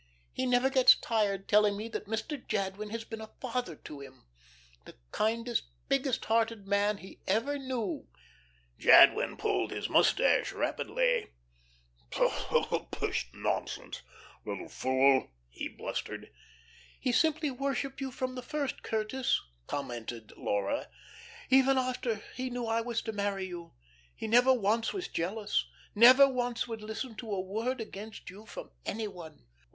He never gets tired telling me that Mr. Jadwin has been a father to him the kindest, biggest hearted man he ever knew '" Jadwin pulled his mustache rapidly. "Pshaw, pish, nonsense little fool!" he blustered. "He simply worshipped you from the first, Curtis," commented Laura. "Even after he knew I was to marry you. He never once was jealous, never once would listen to a word against you from any one."